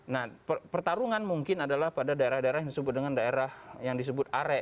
nah pertarungan mungkin adalah pada daerah daerah yang disebut dengan daerah yang disebut are